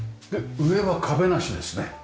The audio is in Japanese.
で上は壁なしですね。